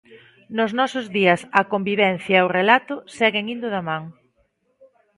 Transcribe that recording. Nos nosos días a convivencia e o relato seguen indo da man.